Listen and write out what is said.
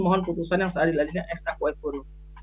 mohon putusan yang seadilahinya ekstra kuat pun